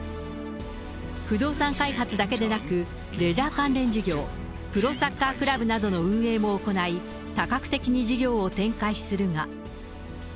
不動産開発だけでなく、レジャー関連事業、プロサッカークラブなどの運営も行い、多角的に事業を展開するが。